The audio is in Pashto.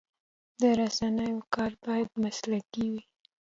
د رسنیو کار باید مسلکي وي.